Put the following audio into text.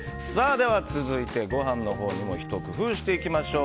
では続いて、ご飯のほうにもひと工夫していきましょう。